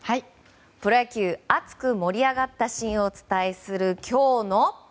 プロ野球熱く盛り上がったシーンをお伝えするきょうの。